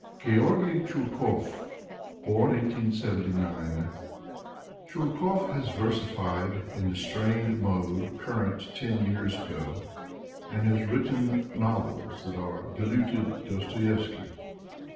Georgy Chulkov (Born 1879) Chulkov has versified in the strained mode current ten years ago, and has written novels that are diluted Dostoyevsky.